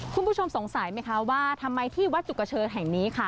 คุณผู้ชมสงสัยไหมคะว่าทำไมที่วัดจุกเชิญแห่งนี้ค่ะ